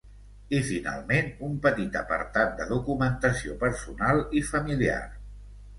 I, finalment, un petit apartat de documentació personal i familiar.